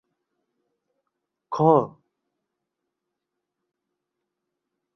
এই পরিপ্রেক্ষিতে তিনি নালন্দা বিশ্ববিদ্যালয়ে যাত্রা করে বিহারের প্রধান ধর্মপালের নিকট শিষ্যত্ব লাভ করেন।